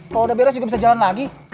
kalau udah beres juga bisa jalan lagi